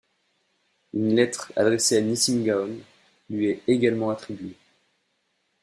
Une lettre adressée à Nissim Gaon lui est également attribuée.